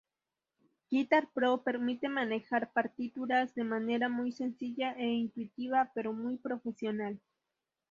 Guitar Pro permite manejar partituras de manera muy sencilla e intuitiva pero muy profesional.